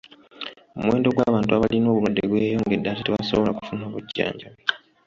Omuwendo gw'abantu abalina obulwadde gweyongedde ate tebasobola kufuna bujjanjabi.